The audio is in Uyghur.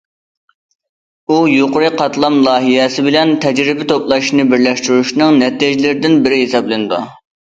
ئۇ يۇقىرى قاتلام لايىھەسى بىلەن تەجرىبە توپلاشنى بىرلەشتۈرۈشنىڭ نەتىجىلىرىدىن بىرى ھېسابلىنىدۇ.